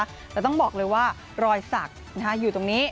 แต่ต้องบอกเลยว่ารอยสักอยู่ตรงนี้